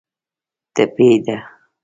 ټپي ده.